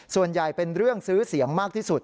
เป็นเรื่องซื้อเสียงมากที่สุด